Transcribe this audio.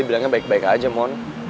dia bilangnya baik baik aja mon